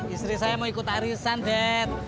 istri saya mau ikut arisan dek